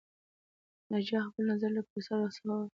ناجیه خپل نظر له پوسټر څخه واخیست